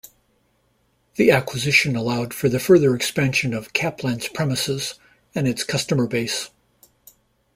The acquisition allowed for the further expansion of Caplan's premises and its customer base.